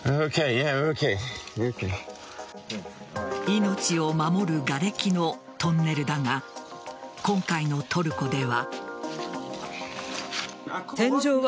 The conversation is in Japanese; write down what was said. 命を守るがれきのトンネルだが今回のトルコでは。